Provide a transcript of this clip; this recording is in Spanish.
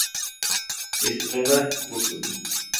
Estrada, Ursula.